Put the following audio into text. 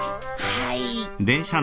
はい。